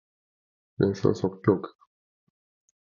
幻想即興曲